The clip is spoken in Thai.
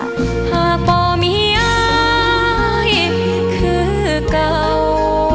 หากบ่มีอายคือเก่า